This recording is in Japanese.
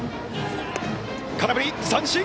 空振り三振。